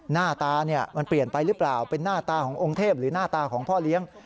หน้าตามันเปลี่ยนไปหรือเปล่าเป็นหน้าตาขององค์เทพหรือหน้าตาของพ่อเลี้ยง